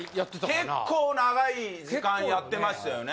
結構長い時間やってましたよね